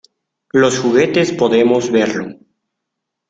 Los juguetes podemos verlo...